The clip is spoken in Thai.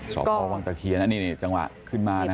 สอบพ่อวางจะเคลียร์นะนี่นี่จังหวะขึ้นมานะ